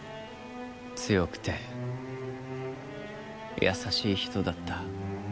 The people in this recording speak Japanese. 強くて優しい人だった。